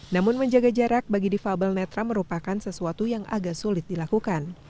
namun menjaga jarak bagi defable netra merupakan sesuatu yang agak sulit dilakukan